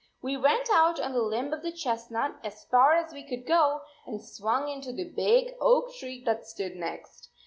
We went out on the limb of the chestnut as far as we could go, and swung into the big oak tree that stood next.